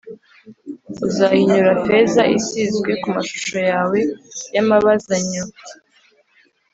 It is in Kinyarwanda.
Uzahinyura feza isizwe ku mashusho yawe y’amabazanyo,